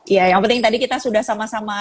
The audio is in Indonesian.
ya yang penting tadi kita sudah sama sama